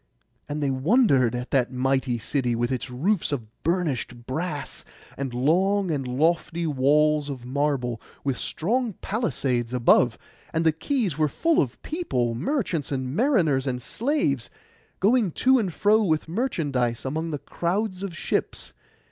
And they wondered at that mighty city, with its roofs of burnished brass, and long and lofty walls of marble, with strong palisades above. And the quays were full of people, merchants, and mariners, and slaves, going to and fro with merchandise among the crowd of ships.